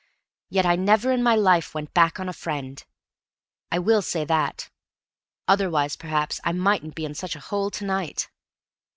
Yet I never in my life went back on a friend. I will say that, otherwise perhaps I mightn't be in such a hole to night."